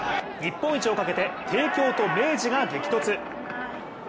日本一をかけて帝京と明治が激突。